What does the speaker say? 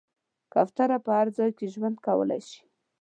کوتره په هر ځای کې ژوند کولی شي.